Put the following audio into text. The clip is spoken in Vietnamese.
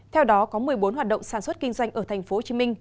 theo đó có một mươi bốn hoạt động sản xuất kinh doanh ở tp hcm